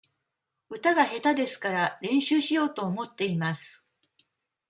歌が下手ですから、練習しようと思っています。